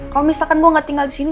kalau misalkan gue gak tinggal disini